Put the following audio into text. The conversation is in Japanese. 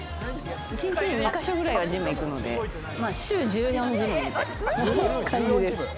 １日に２か所くらいジム行くので、週１４ジムみたいな感じです。